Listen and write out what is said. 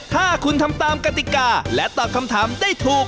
ถ้าคุณทำตามกติกาและตอบคำถามได้ถูก